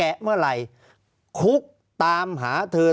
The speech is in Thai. ภารกิจสรรค์ภารกิจสรรค์